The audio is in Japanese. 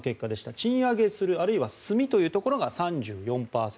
賃上げする、あるいは済みというところが３４％。